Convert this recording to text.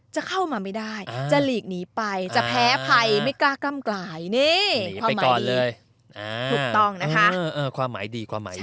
จะเข้ามาไม่ได้จะหลีกหนีไปจะแพ้ภัยไม่กล้ากล้ำกลายนี่ความหมายดี